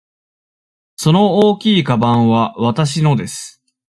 その大きいかばんはわたしのです。